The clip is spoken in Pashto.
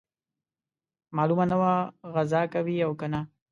معلومه نه وه غزا کوي او کنه.